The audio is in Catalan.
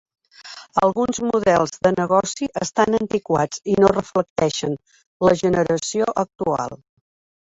Alguns models de negoci estan antiquats i no reflecteixen la generació actual.